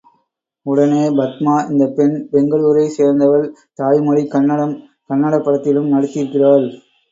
உடனே பத்மா, இந்தப் பெண் பெங்களுரைச் சேர்ந்தவள். தாய் மொழி கன்னடம், கன்னடப் படத்திலும் நடித்திருக்கிறாள்.